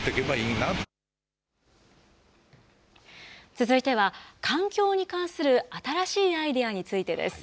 続いては、環境に関する新しいアイデアについてです。